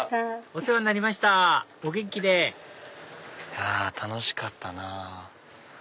お世話になりましたお元気でいや楽しかったなぁ。